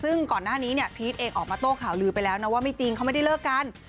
ซึ่งก่อนหน้านี้เนี่ยพีชเองออกมาโต้ข่าวลือไปแล้วนะว่าไม่จริงเขาไม่ได้เลิกกัน